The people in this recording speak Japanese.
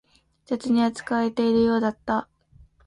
雑に扱われているようだった